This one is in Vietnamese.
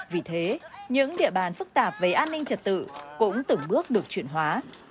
vì thế những địa bàn phức tạp về an ninh trật tự cũng từng bước được chuyển hóa